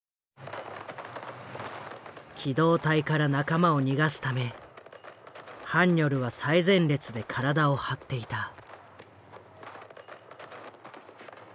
機動隊から仲間を逃がすためハンニョルは最前列で体を張っていた。